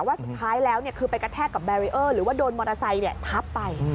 ว่าสุดท้ายแล้วคือไปกระแทกกับแบรีเออร์หรือว่าโดนมอเตอร์ไซค์ทับไป